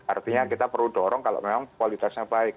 artinya kita perlu dorong kalau memang kualitasnya baik